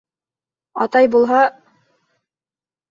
Атай булһа...